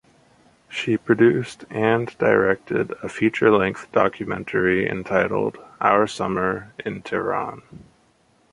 She produced and directed a feature-length documentary entitled "Our Summer in Tehran".